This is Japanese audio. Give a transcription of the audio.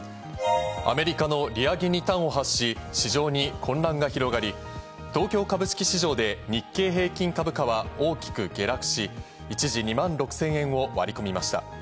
アメリカの利上げに端を発し、混乱が広がり、東京株式市場で日経平均株価は大きく下落し、一時２万６０００円を割り込みました。